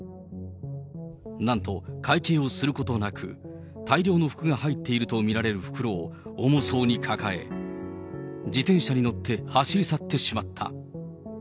なんと、会計をすることなく大量の服が入っていると見られる袋を重そうに抱え、自転車に乗って走り去ってしまった。